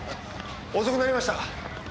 遅くなりました。